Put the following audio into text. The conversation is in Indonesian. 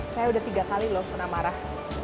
saya udah tiga kali loh pernah marah